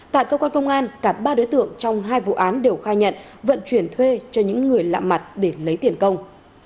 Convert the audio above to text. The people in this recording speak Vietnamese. tại cơ quan công an cả ba đối tượng trong hai vụ án đều khai nhận vận chuyển thuê cho những người lạ mặt để lấy tiền công